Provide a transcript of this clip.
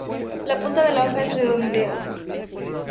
La punta de la hoja es redondeado.